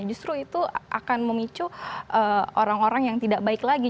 justru itu akan memicu orang orang yang tidak baik lagi